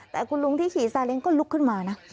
แต่คุณลุงที่ขี่ซาเล้งก็ลุกขึ้นมานะ